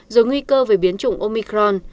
rồi nguy cơ về biến trụng omicron